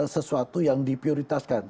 sesuatu yang diprioritaskan